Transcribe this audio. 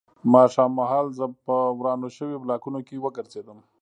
ماښام مهال زه په ورانو شویو بلاکونو کې وګرځېدم